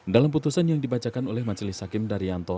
dalam putusan yang dibacakan oleh majelis hakim dari yanto